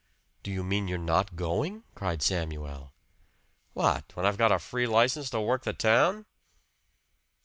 "Do you mean you're not going?" cried Samuel. "What! When I've got a free license to work the town?"